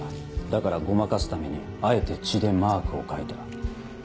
だからごまかすためにあえて血でマークを描いた。